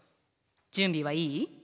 準備はいい？